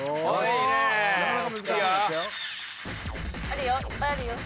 いっぱいあるよ。